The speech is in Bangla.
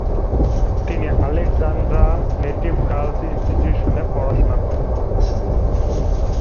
তিনি আলেকজান্দ্রা নেটিভ গার্লস ইনস্টিটিউশনে পড়াশোনা করেন।